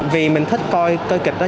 vì mình thích coi kịch đó